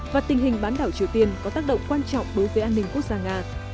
và tình hình bán đảo triều tiên có tác động quan trọng đối với an ninh quốc gia nga